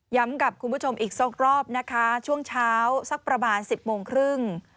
กับคุณผู้ชมอีกสักรอบนะคะช่วงเช้าสักประมาณ๑๐โมงครึ่ง